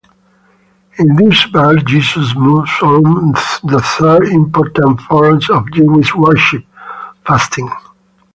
In this verse Jesus moves on the third important form of Jewish worship: fasting.